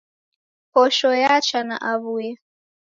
Posho yacha na awuye